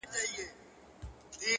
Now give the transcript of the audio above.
پوه انسان د غرور بار نه وړي.!